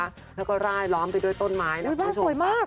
และก็ลายล้อมไปด้วยต้นไม้บ้านสวยมาก